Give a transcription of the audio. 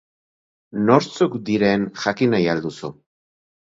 Nortzuk diren jakin nahi al duzu?